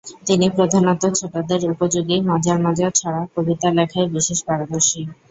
তিনি প্রধানত ছোটদের উপযোগী মজার মজার ছড়া-কবিতা লেখায় বিশেষ পারদর্শী।